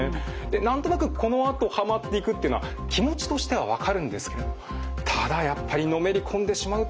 何となくこのあとはまっていくっていうのは気持ちとしては分かるんですけどただやっぱりのめり込んでしまうとまずいですよね。